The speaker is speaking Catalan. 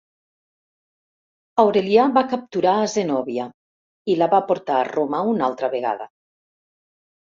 Aurelià va capturar a Zenòbia, i la va portar a Roma una altra vegada.